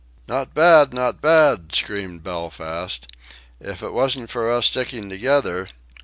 "Not bad! Not bad!" screamed Belfast. "If it wasn't for us sticking together....